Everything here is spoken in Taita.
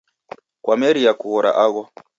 Kwameria kughora agho